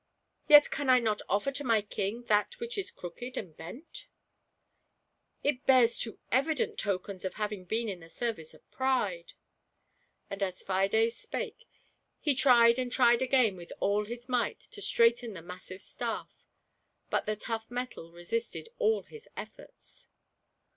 " Yet can I not offer to my king that which is crooked and bent ! It bears too evident tokens of having been in. the service of Pride !" And as Fides spake, he tried and tried again with aU his might to straighten the massive staif, but the tough metal resisted all his efforts